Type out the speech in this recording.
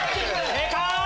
正解！